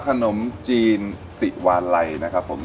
ขนมจีนสิวาลัยนะครับผม